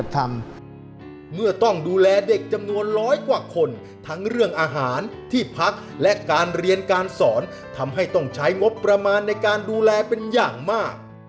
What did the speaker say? เมื่อต้องดูแลเด็กจำนวนร้อยกว่าคนทั้งเรื่องอาหารที่พักและการเรียนการสอนทำให้ต้องใช้งบประมาณในการดูแลเป็นอย่างมาก